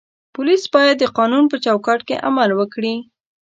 پولیس باید د قانون په چوکاټ کې عمل وکړي.